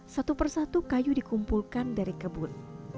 satu persatu kayu dikumpulkan dari kebun